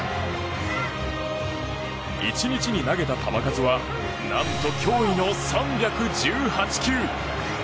１日に投げた球数はなんと驚異の３１８球。